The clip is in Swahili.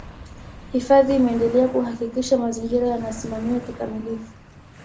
Hifadhi imeendelea kuhakikisha mazingira yanasimamiwa kikamilifu